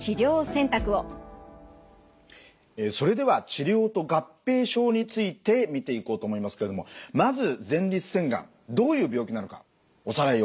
それでは治療と合併症について見ていこうと思いますけれどもまず前立腺がんどういう病気なのかおさらいをしましょう。